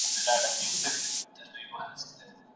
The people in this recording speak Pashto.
زما د ټوله ژوند تعبیر را سره خاندي